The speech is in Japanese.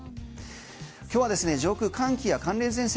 今日は上空、寒気や寒冷前線